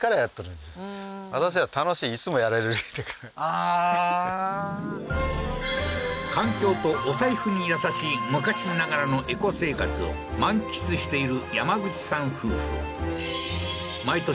ああー環境とお財布に優しい昔ながらのエコ生活を満喫している山口さん